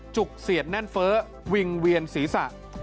จุกเสียดแน่นเฟ้อวิ่งเวียนศีรษะ